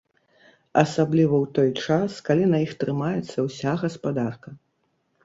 Асабліва ў той час, калі на іх трымаецца ўся гаспадарка.